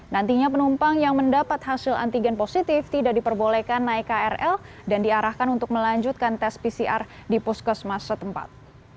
nantinya penumpang yang mendapat hasil antigen positif tidak diperbolehkan naik krl dan diarahkan untuk melanjutkan tes pcr di puskesmas setempat